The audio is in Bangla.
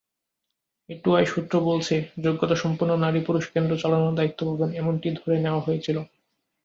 এটুআই সূত্র বলেছে, যোগ্যতাসম্পন্ন নারী-পুরুষ কেন্দ্র চালানোর দায়িত্ব পাবেন—এমনটিই ধরে নেওয়া হয়েছিল।